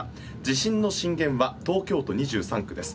地震の震源は東京都２３区です。